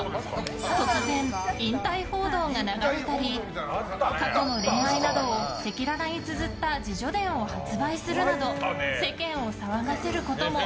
突然、引退報道が流れたり過去の恋愛などを赤裸々につづった自叙伝を発売するなど世間を騒がせることも。